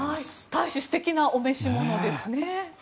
大使素敵なお召し物ですね。